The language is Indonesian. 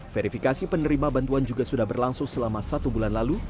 verifikasi penerima bantuan juga sudah berlangsung selama satu bulan lalu